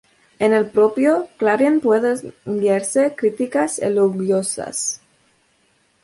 En el propio Clarín pueden leerse críticas elogiosas.